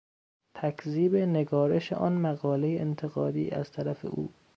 تکذیب نگارش آن مقالهی انتقادی از طرف او